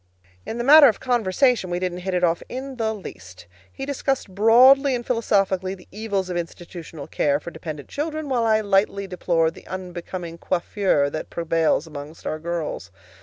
In the matter of conversation we didn't hit it off in the least. He discussed broadly and philosophically the evils of institutional care for dependent children, while I lightly deplored the unbecoming coiffure that prevails among our girls.